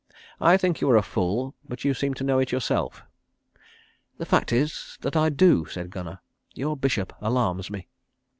I think you are a fool; but you seem to know it yourself." "The fact is, that I do," said Gunnar. "Your bishop alarms me."